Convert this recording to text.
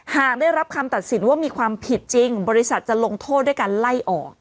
หากได้รับคำตัดสินว่ามีความผิดจริงบริษัทจะลงโทษด้วยการไล่ออก